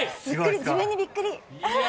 自分にびっくり！